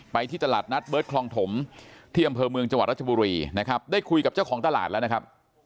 ที่ตลาดนัดเบิร์ตคลองถมที่อำเภอเมืองจังหวัดรัชบุรีนะครับได้คุยกับเจ้าของตลาดแล้วนะครับ